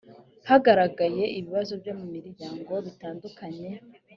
hagaragaye ibibazo byo mu miryango bitandukanye